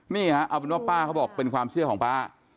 นี่ฮะเอาเป็นว่าป้าเขาบอกเป็นความเชื่อของป้า